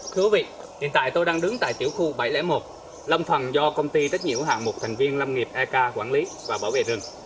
thưa quý vị hiện tại tôi đang đứng tại tiểu khu bảy trăm linh một lâm phần do công ty trách nhiệm hàng một thành viên lâm nghiệp ek quản lý và bảo vệ rừng